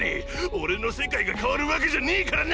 俺の世界が変わるわけじゃねェからな！